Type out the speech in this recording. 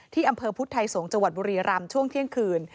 อำเภอพุทธไทยสงศ์จังหวัดบุรีรำช่วงเที่ยงคืน